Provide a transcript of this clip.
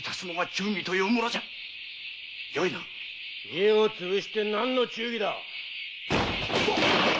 家を潰して何の忠義だ！